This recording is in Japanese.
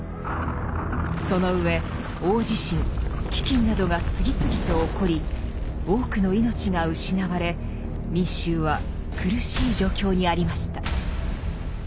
その上大地震飢饉などが次々と起こり多くの命が失われ民衆は苦しい状況にありました。